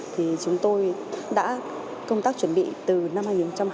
thì chúng tôi đã công tác chuẩn bị từ năm hai nghìn hai mươi